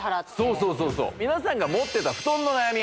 そうそう皆さんが持ってた布団の悩み